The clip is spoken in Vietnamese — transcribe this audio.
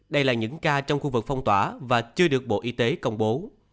đây là những ca trong khu vực phong tỏa và chưa được bộ y tế công bố